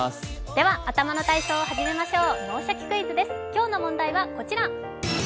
では頭の体操を始めましょう。